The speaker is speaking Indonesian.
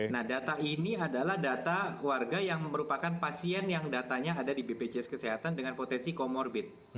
nah data ini adalah data warga yang merupakan pasien yang datanya ada di bpjs kesehatan dengan potensi comorbid